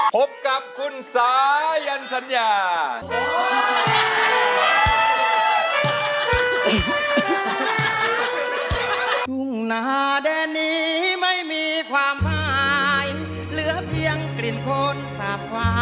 พบกับคุณสายันสัญญา